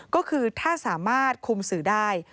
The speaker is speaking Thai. ก็คือถ้าสามารถคุมสื่อได้